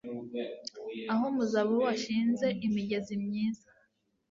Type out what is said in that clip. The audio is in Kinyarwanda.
aho umuzabibu washinze imigezi myiza